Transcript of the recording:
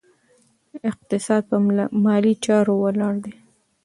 اقتصاد په مالي چارو ولاړ دی.